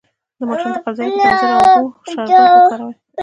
د ماشوم د قبضیت لپاره د انځر او اوبو شربت وکاروئ